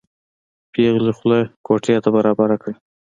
پېغلې خوله کوټې ته برابره کړه.